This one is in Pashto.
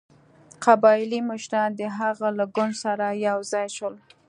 قبایلي مشران د هغه له ګوند سره یو ځای شول.